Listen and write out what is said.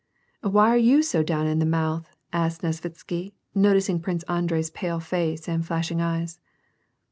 "Why are you so down in the mouth ?" asked Nesvitsky, noticing Prince Andrei's pale face and flashing eyes.